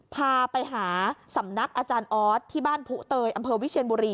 พาไปหาสำนักอาจารย์ออสที่บ้านผู้เตยอำเภอวิเชียนบุรี